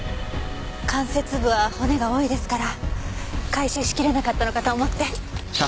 関節部は骨が多いですから回収しきれなかったのかと思って。